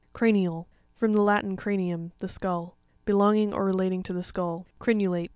Cra'nraL.—From the Latin, cranium, the skull. Belonging or relating to the skull.